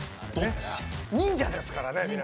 忍者ですからね。